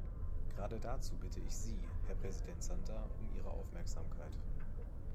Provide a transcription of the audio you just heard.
Gerade dazu bitte ich Sie, Herr Präsident Santer, um Ihre Aufmerksamkeit.